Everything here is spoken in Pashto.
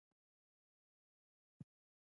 د ګنبدونو رنګونه ابي او فیروزه یي دي.